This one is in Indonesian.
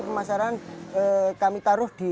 pemasaran kami taruh di